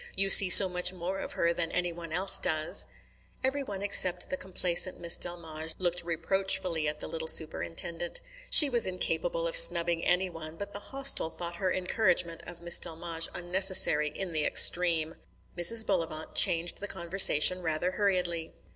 You see so much more of her than any one else does." Every one except the complacent Miss Delmege looked reproachfully at the little Superintendent. She was incapable of snubbing any one, but the Hostel thought her encouragement of Miss Delmege unnecessary in the extreme. Mrs. Bullivant changed the conversation rather hurriedly.